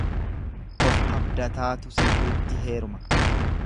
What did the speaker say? Of abdataatu sayyuutti heeruma.